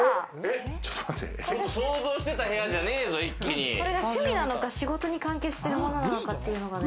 想像してた部屋じゃねえぞ、これが趣味なのか仕事に関係してるものなのかっていうのがね。